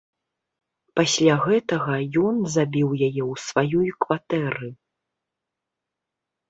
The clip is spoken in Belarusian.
Пасля гэтага ён забіў яе ў сваёй кватэры.